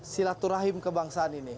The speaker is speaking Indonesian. silaturahim kebangsaan ini